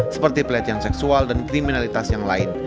seperti pelecehan seksual dan kriminalitas yang lain